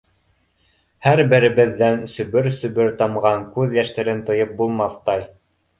Һәр беребеҙҙән сөбөр-сөбөр тамған күҙ йәштәрен тыйып булмаҫтай.